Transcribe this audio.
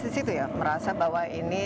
di situ ya merasa bahwa ini